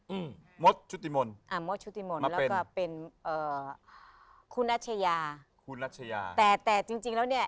อืมมดชุติมนต์อ่ามดชุติมนต์แล้วก็เป็นเอ่อคุณรัชยาคุณรัชยาแต่แต่จริงจริงแล้วเนี้ย